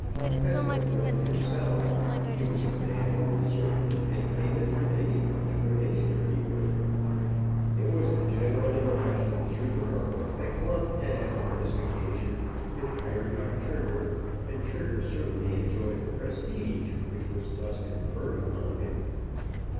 As for Glump himself he was a man who would certainly take payment from anybody for any dirty work. It was the general impression through the borough that Glump had on this occasion been hired by Trigger, and Trigger certainly enjoyed the prestige which was thus conferred upon him.